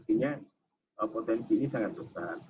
kemudian kalau plastik kita hitung misalnya sekarang